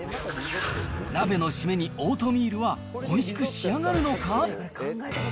鍋のシメにオートミールはおいしく仕上がるのか？